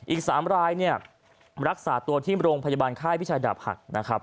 อีก๓รายรักษาตัวที่โรงพยาบาลไข้พิชาดาบหัก